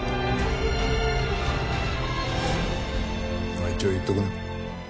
まあ一応言っとくな。